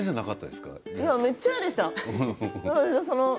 めっちゃ嫌でした。